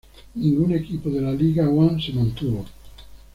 Ningún equipo de la League One se mantuvo.